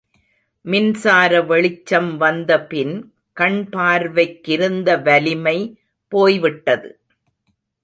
மின்சார வெளிச்சம் வந்த பின் கண் பார்வைக்கிருந்த வலிமை போய்விட்டது.